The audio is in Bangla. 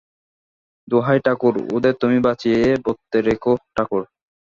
দোহাই ঠাকুর, ওদের তুমি বাঁচিয়ে-বর্তে রেখো, ঠাকুর।